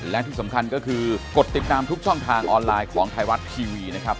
และที่สำคัญก็คือกดติดตามทุกช่องทางออนไลน์ของไทยรัฐทีวีนะครับ